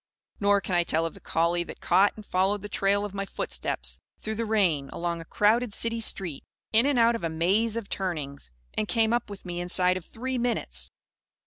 Nor can I tell of the collie that caught and followed the trail of my footsteps, through the rain, along a crowded city street; in and out of a maze of turnings; and came up with me inside of three minutes.